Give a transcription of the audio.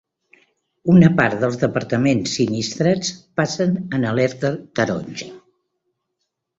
Una part dels departaments sinistrats passen en alerta taronja.